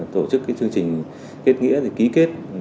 tổ chức chương trình kết nghĩa kết hợp với chính quyền địa phương